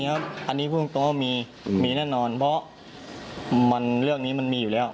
อันนี้ครับอันนี้พูดจริงว่ามีมีแน่นอนเพราะมันเรื่องนี้มันมีอยู่แล้ว